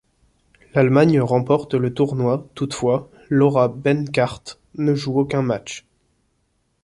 L'Allemagne remporte le tournoi, toutefois Laura Benkarth ne joue aucun match.